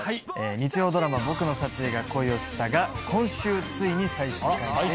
日曜ドラマ『ボクの殺意が恋をした』が今週ついに最終回です。